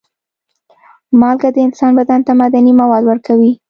مالګه د انسان بدن ته معدني مواد ورکوي.